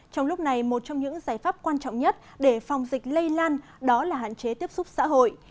trong lúc này một trong những giải pháp quan trọng nhất để phòng dịch lây lan đó là hạn chế tiếp xúc xã hội